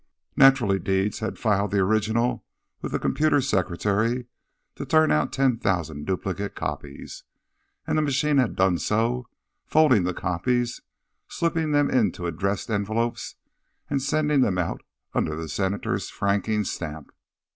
Naturally, Deeds had filed the original with a computer secretary to turn out ten thousand duplicate copies, and the machine had done so, folding the copies, slipping them into addressed envelopes and sending them out under the Senator's franking stamp.